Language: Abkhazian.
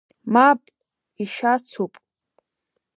Мап, ишьацуп!